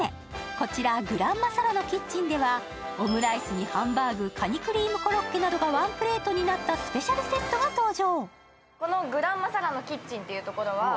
こちら、グランマ・サラのキッチンではオムライスにハンバーグ、カニクリームコロッケなどがワンプレートになったスペシャルセットが登場。